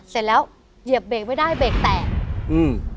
เสร็จแล้วเหยียบเบรกไม่ได้เบรกแตกอืม